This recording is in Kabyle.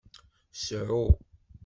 Sɛu.